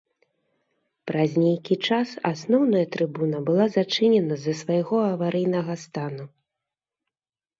Праз нейкі час асноўная трыбуна была зачынена з-за свайго аварыйнага стану.